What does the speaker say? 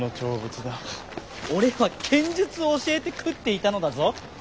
俺は剣術を教えて食っていたのだぞ。